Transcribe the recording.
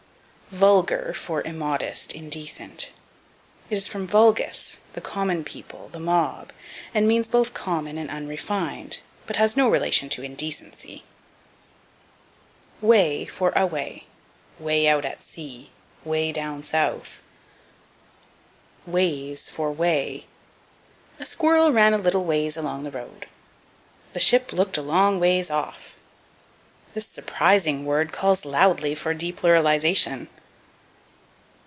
Vulgar for Immodest, Indecent. It is from vulgus, the common people, the mob, and means both common and unrefined, but has no relation to indecency. Way for Away. "Way out at sea." "Way down South." Ways for Way. "A squirrel ran a little ways along the road." "The ship looked a long ways off." This surprising word calls loudly for depluralization.